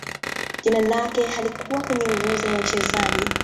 Jina lake halikuwa kwenye orodha ya wachezaji